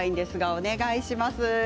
お願いします。